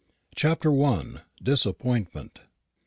CHAPTER I. DISAPPOINTMENT.